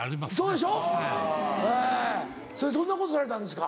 それどんなことされたんですか？